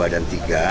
satu dua dan tiga